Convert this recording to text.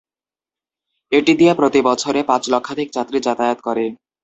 এটি দিয়ে প্রতি বছরে পাঁচ লক্ষাধিক যাত্রী যাতায়াত করে।